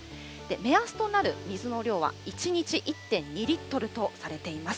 目安となる水の量は、１日１．２リットルとされています。